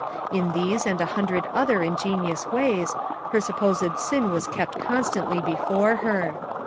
In these and a hundred other ingenious ways her supposed sin' was kept constantly before her.